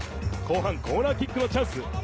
後半、コーナーキックのチャンス。